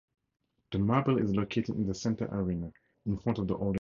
The marble is located in the center arena in front of the old entrance.